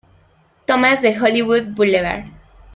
Thomas de Hollywood Boulevard.